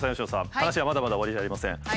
話はまだまだ終わりじゃありません。